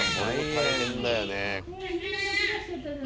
大変だよね。